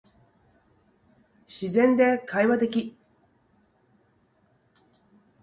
自然で会話的